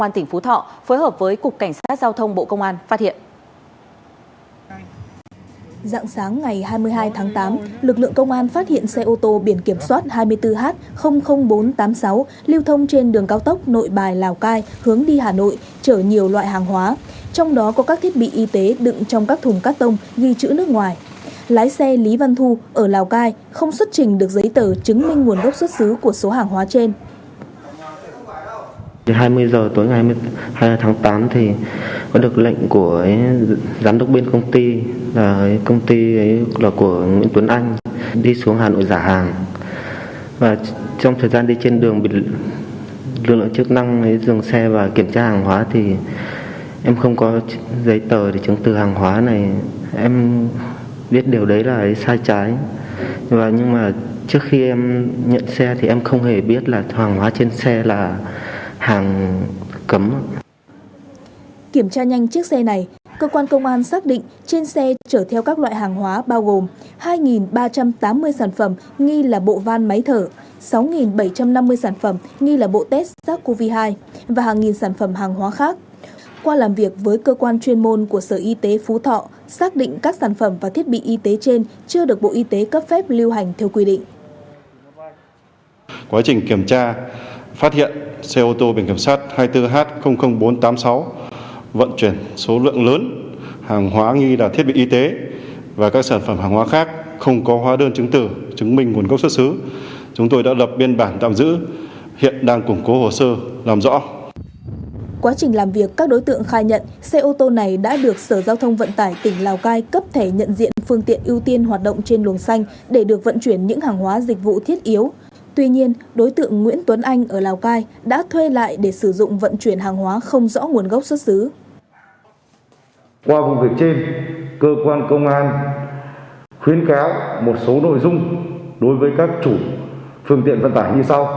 thứ nhất đề nghị mọi người dân nói chung chủ phương tiện vận tải nói riêng phải nêu cao tinh thần trách nhiệm ý thức tự giác trong việc phòng ngừa đấu tranh với các loại tội phạm nói chung và với các hành vi vi phạm pháp luật liên quan đến buôn lộng gian lận thương mại